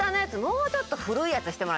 もうちょっと古いやつに。